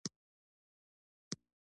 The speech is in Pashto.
درې ورځې مخکې یو سړي زما سره اړیکه ونیوله